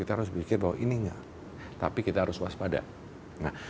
kita harus berpikir bahwa ini enggak tapi kita harus waspada